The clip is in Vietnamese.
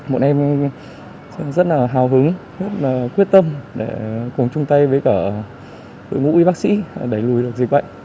bọn em rất là hào hứng rất là quyết tâm để cùng chung tay với cả đội ngũ y bác sĩ đẩy lùi được dịch bệnh